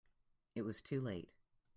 It was too late.